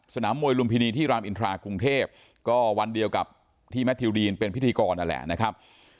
สนามมวยลุมพินีที่รามอินทรากรุงเทพก็วันเดียวกับที่แมททิวดีนเป็นพิธีกรนั่นแหละนะครับ